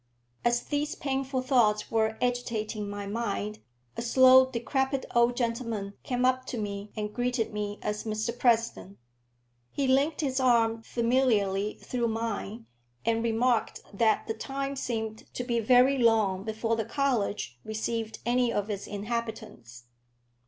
As these painful thoughts were agitating my mind, a slow decrepit old gentleman came up to me and greeted me as Mr President. He linked his arm familiarly through mine, and remarked that the time seemed to be very long before the college received any of its inhabitants.